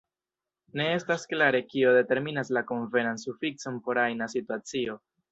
Ne estas klare kio determinas la konvenan sufikson por ajna situacio.